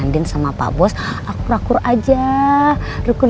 di rumah ibu